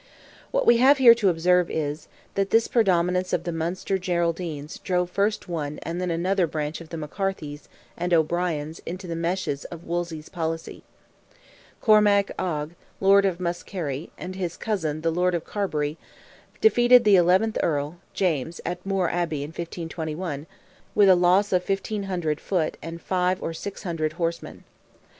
What we have here to observe is, that this predominance of the Munster Geraldines drove first one and then another branch of the McCarthys, and O'Briens, into the meshes of Wolsey's policy. Cormac Oge, lord of Muskerry, and his cousin, the lord of Carbery, defeated the eleventh Earl (James), at Moore Abbey, in 1521, with a loss of 1,500 foot and 500 or 600 horsemen.